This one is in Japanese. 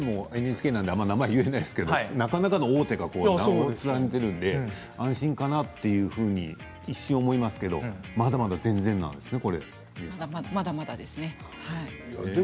ＮＨＫなんであまり名前を言えないけどなかなかの大手が名を連ねているので安心かなというふうに一瞬思いますけどまだまだですね。